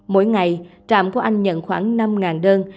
mỗi ngày trạm của anh nhận khoảng năm đơn